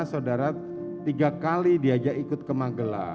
saudara tiga kali diajak ikut ke magelang